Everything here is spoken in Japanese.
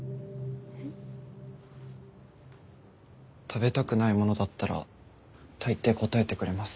食べたくないものだったら大抵答えてくれます。